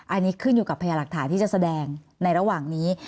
อันนี้ขึ้นอยู่กับพยาหลักฐานที่จะแสดงในระหว่างนี้